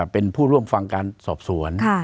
เป็นผู้ร่วมฟังการสอบสวน